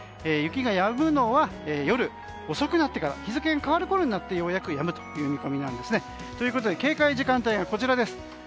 雪がやむのは夜遅くなってから日付が変わるころになってようやくやむという見込みなんですね。ということで警戒時間帯がこちらです。